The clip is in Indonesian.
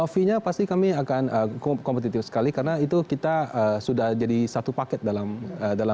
fee nya pasti kami akan kompetitif sekali karena itu kita sudah jadi satu paket dalam